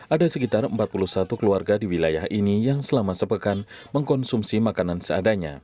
ada sekitar empat puluh satu keluarga di wilayah ini yang selama sepekan mengkonsumsi makanan seadanya